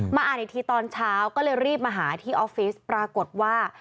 อ่านอีกทีตอนเช้าก็เลยรีบมาหาที่ออฟฟิศปรากฏว่า